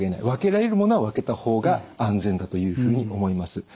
分けられる物は分けた方が安全だというふうに思います。